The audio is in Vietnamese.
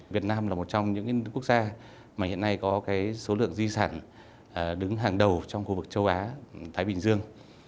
việt nam là một trong những quốc gia mà hiện nay có số lượng di sản đứng hàng đầu trong khu vực châu á thái bình dương